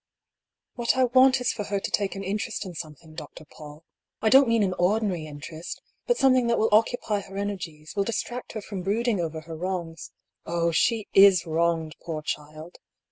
" What I want is for her to take an interest in some thing. Dr. PauU. I don't mean an ordinary interest — but something that will occupy her energies, will dis tract her from brooding over her wrongs. Oh, she is wronged, poor child